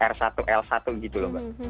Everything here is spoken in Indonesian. r satu l satu gitu loh mbak